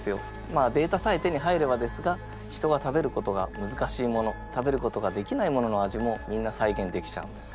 まあデータさえ手に入ればですが人が食べることがむずかしいもの食べることができないものの味もみんな再現できちゃうんです。